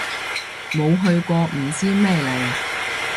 冇去過唔知咩嚟